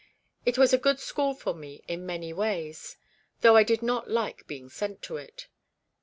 It was a good school for me, in many ways, though I did not like being sent to it.